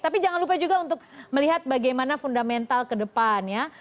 tapi jangan lupa juga untuk melihat bagaimana fundamental kedepannya